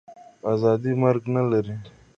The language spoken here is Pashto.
آزادي مرګ نه لري.